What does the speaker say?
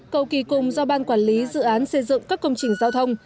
cầu kỳ cùng do ban quản lý dự án xây dựng các công trình giao thông